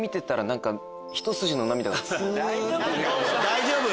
大丈夫？